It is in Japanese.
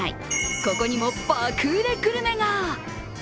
ここにも爆売れグルメが。